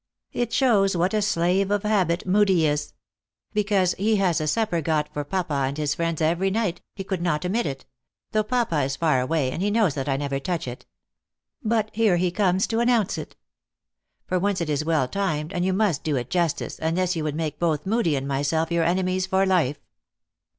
" It shows what a slave of habit Moodie is. Be cause he has a supper got for papa and his friends every night, he could not omit it ; though papa is far away, and he knows that I never touch it. But here he comes to announce it. For once it is well timed, and you must do it justice, unless you would make both Moodie and myself your enemies for life."